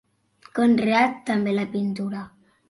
Conreà també la pintura.